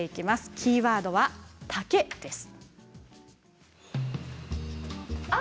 キーワードは丈です。